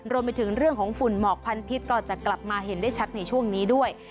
รวมไปถึงเรื่องของฝุ่นหมอกควันพิษก็จะกลับมาเห็นได้ชัดในช่วงนี้ด้วย